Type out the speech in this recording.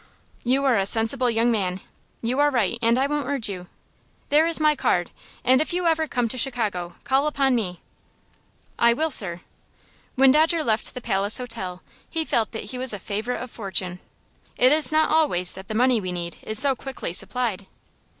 "You are a sensible young man. You are right, and I won't urge you. There is my card, and if you ever come to Chicago, call upon me." "I will, sir." When Dodger left the Palace Hotel he felt that he was a favorite of fortune. It is not always that the money we need is so quickly supplied.